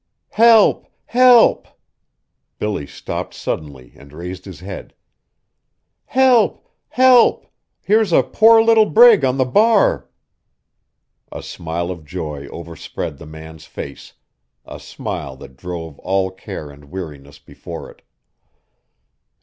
"Help! help!" Billy stopped suddenly and raised his head. "Help! help! Here's a poor, little brig on the bar!" A smile of joy overspread the man's face, a smile that drove all care and weariness before it.